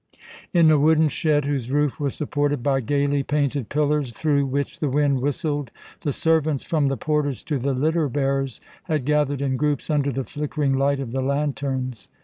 In a wooden shed, whose roof was supported by gaily painted pillars, through which the wind whistled, the servants, from the porters to the litter bearers, had gathered in groups under the flickering light of the lanterns.